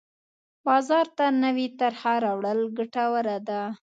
بازار ته نوې طرحه راوړل ګټوره ده.